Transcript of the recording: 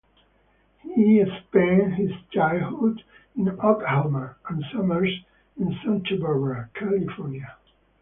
He spent his childhood in Oklahoma and summers in Santa Barbara, California.